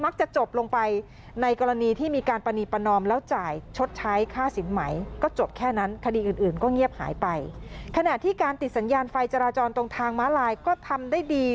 ขนาดที่การติดสัญญาณไฟจราจรตรงทางม้าลายก็ทำได้ดี